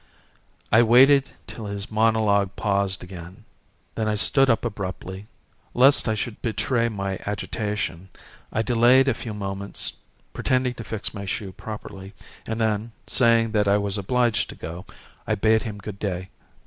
I waited till his monologue paused again. Then I stood up abruptly. Lest I should betray my agitation I delayed a few moments pretending to fix my shoe properly and then, saying that I was obliged to go, I bade him good day.